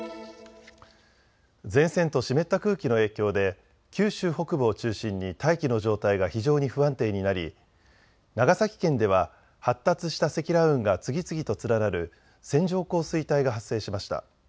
前線と湿った空気の影響で九州北部を中心に大気の状態が非常に不安定になり長崎県では発達した積乱雲が次々と連なる線状降水帯が発生しました。